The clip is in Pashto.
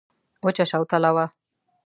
وچه شوتله وه.